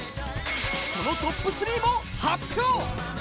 そのトップ３も発表。